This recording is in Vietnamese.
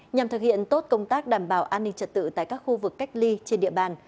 nhằm thực hiện tốt công tác đảm bảo an ninh trật tự tại các khu vực cách ly trên địa bàn